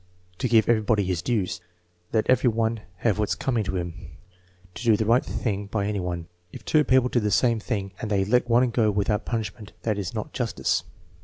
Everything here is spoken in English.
"To give everybody his dues." "Let every one have what's coming to him." "To do the right thing by any one." "If two people do the same thing and they let one go without pun ishing, that is not justice."